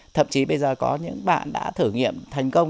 thậm chí bây giờ có những bạn đã thử nghiệm thành công